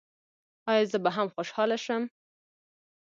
ایا زه به هم خوشحاله شم؟